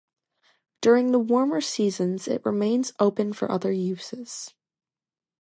During the warmer seasons it remains open for other uses.